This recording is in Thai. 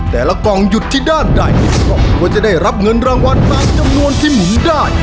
กล่องหยุดที่ด้านใดครอบครัวจะได้รับเงินรางวัลตามจำนวนที่หมุนได้